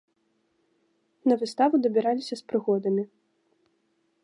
На выставу дабіраліся з прыгодамі.